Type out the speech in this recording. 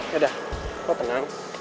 yaudah kok tenang